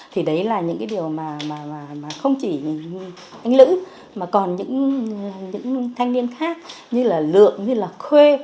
thì đấy là những cái điều mà không chỉ anh lữ mà còn những thanh niên khác như là lượm như là khuê